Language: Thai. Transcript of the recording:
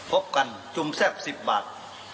พบกันจุ่มแซ่บ๑๐บาท